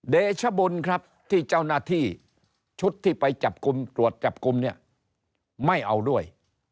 เดชบุญครับที่เจ้าหน้าที่ชุดที่ไปจับกลุ่มตรวจจับกลุ่มเนี่ยไม่เอาด้วย